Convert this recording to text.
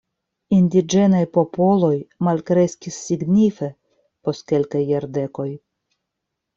Indiĝenaj popoloj malkreskis signife post kelkaj jardekoj.